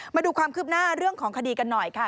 มาดูความคืบหน้าเรื่องของคดีกันหน่อยค่ะ